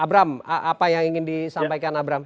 abraham apa yang ingin disampaikan abraham